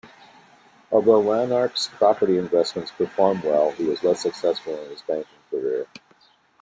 Although Larnach's property investments performed well, he was less successful in his banking career.